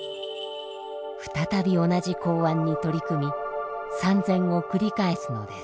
再び同じ公案に取り組み参禅を繰り返すのです。